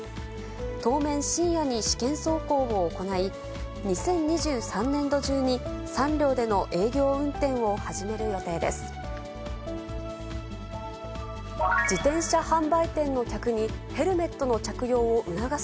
当面、深夜に試験走行を行い、２０２３年度中に３両での営業運転を始める予定です。